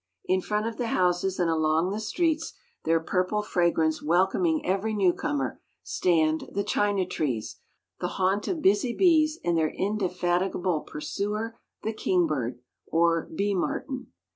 In front of the houses and along the streets, their purple fragrance welcoming every newcomer, stand the China trees, the haunt of busy bees and their indefatigable pursuer the kingbird, or bee martin.